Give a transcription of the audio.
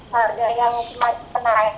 harga yang penarik itu